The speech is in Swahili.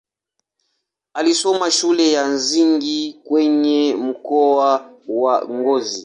Alisoma shule ya msingi kwenye mkoa wa Ngozi.